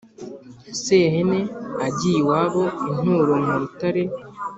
Sehene agiye iwabo- Inturo mu rutare.